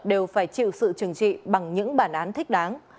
đều phải chịu sự trừng trị bằng những bản án thích đáng